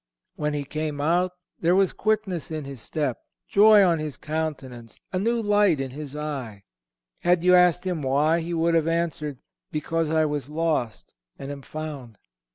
When he came out there was quickness in his step, joy on his countenance, a new light in his eye. Had you asked him why, he would have answered: "Because I was lost, and am found.